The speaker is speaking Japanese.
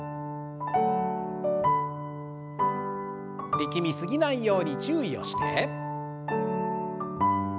力み過ぎないように注意をして。